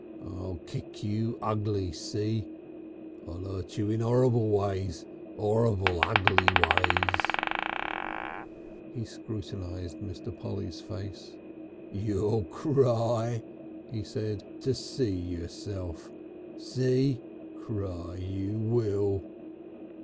I'll kick you ugly, see? I'll 'urt you in 'orrible ways 'orrible, ugly ways...." He scrutinised Mr. Polly's face. "You'll cry," he said, "to see yourself. See? Cry you will."